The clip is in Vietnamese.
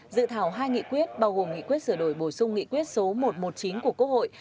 dự thảo hai nghị quyết bao gồm nghị quyết sửa đổi bổ sung nghị quyết số một trăm một mươi chín của quốc hội